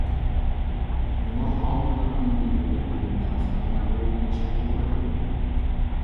يۇنان ئالىملىرىنىڭ دېگىنىدەك بۇنى پارچىلانمايدۇ دېيىشكە بولمايدۇ.